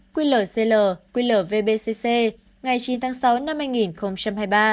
quy lở cl quy lở vbcc ngày chín tháng sáu năm hai nghìn hai mươi ba